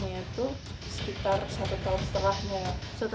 wajah nur hitamnya itu sekitar satu tahun setelahnya